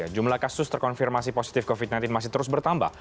jumlah kasus terkonfirmasi positif covid sembilan belas masih terus bertambah